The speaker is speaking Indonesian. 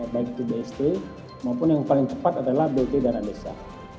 baik itu bst maupun yang paling tepat adalah bt dana desa